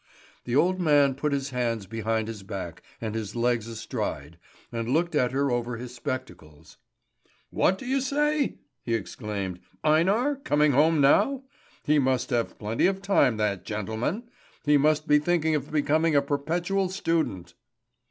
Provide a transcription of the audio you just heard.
The old man put his hands behind his back and his legs astride, and looked at her over his spectacles. "What do you say?" he exclaimed. "Einar coming home now? He must have plenty of time, that gentleman. He must be thinking of becoming a perpetual student!"